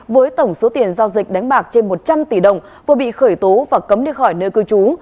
với tổng số tiền giao dịch đánh bạc trên một trăm linh tỷ đồng vừa bị khởi tố và cấm đi khỏi nơi cư trú